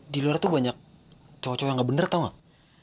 di luar tuh banyak cowok cowok yang gak bener tau gak